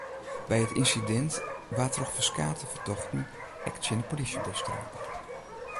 By it ynsidint waard troch ferskate fertochten ek tsjin de polysjebus trape.